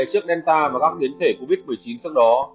chiếc delta và các nguyên thể covid một mươi chín sau đó